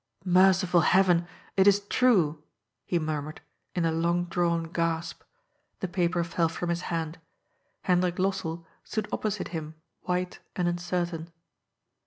^^ Merci ful Heaven, it is true!" he murmured, in a long drawn gasp. The paper fell from his hand. Hendrik Lossell stood opposite him white and uncertain.